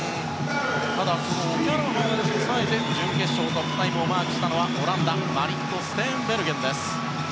ただオキャラハンを抑えて準決勝、トップタイムをマークしたのはオランダのマリット・ステーンベルゲンです。